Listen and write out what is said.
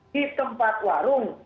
di tempat warung